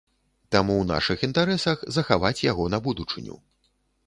Таму ў нашых інтарэсах захаваць яго на будучыню.